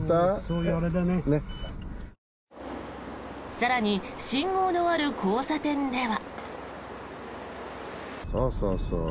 更に信号のある交差点では。